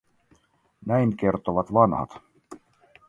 Näin kertovat vanhat.